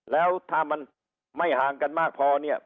แล้วถ้ามันไม่ห่างกันมากพอเนี่ย